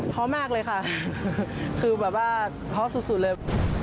เพราะมากเลยค่ะคือแบบว่าท้อสุดเลย